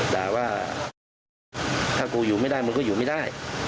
ด่าว่าถ้ากูอยู่ไม่ได้มึงก็อยู่ไม่ได้